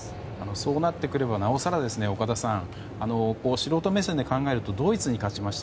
そうなってくればなおさらですね、岡田さん素人目線で考えるとドイツに勝ちました